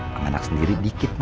mak anak sendiri dikit